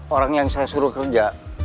orang yang saya suruh kerja